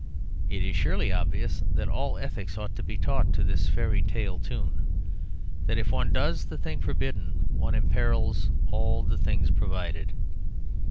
It is surely obvious that all ethics ought to be taught to this fairy tale tune; that, if one does the thing forbidden, one imperils all the things provided.